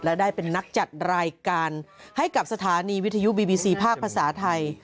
และได้เป็นนักจัดรายการให้กับสถานีวิทยุบีบีซีภาคภาษาไทย